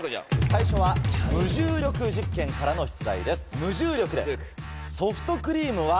最初は無重力実験からの出題です。